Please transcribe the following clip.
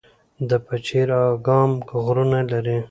د پچیر اګام غرونه لري